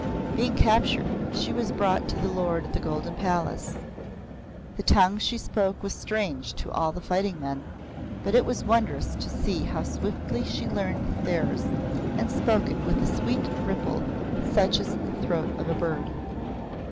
Being captured, she was brought to the Lord of the Golden Palace. The tongue she spoke was strange to all the fighting men, but it was wondrous to see how swiftly she learnt theirs and spoke it with a sweet ripple such as is in the throat of a bird.